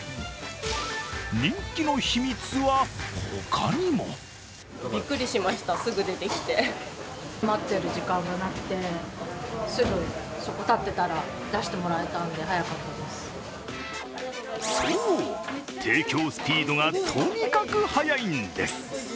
人気の秘密は他にもそう、提供スピードがとにかく早いんです。